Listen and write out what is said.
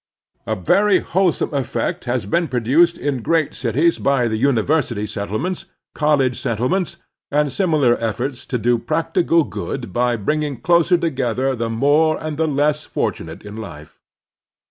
A very wholesome effect has been produced in great cities by the university settlements, college settlements, and similar efforts to do practical good by bringing closer together the more and the less fortimate in life.